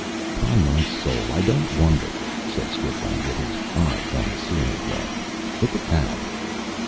"'Pon my soul, I don't wonder," said Strickland, with his eyes on the ceiling cloth. "Look at that."